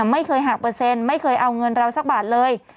ไม่เคยหักเปอร์เซ็นต์ไม่เคยเอาเงินเราสักบาทเลย